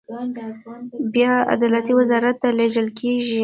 بیا عدلیې وزارت ته لیږل کیږي.